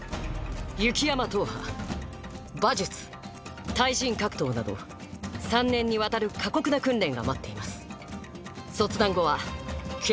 「雪山踏破」「馬術」「対人格闘」など３年にわたる過酷な訓練が待っています。